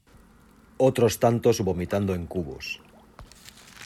otros tantos vomitando en cubos